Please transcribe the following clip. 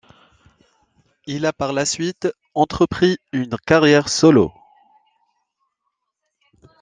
Il a, par la suite, entrepris une carrière solo.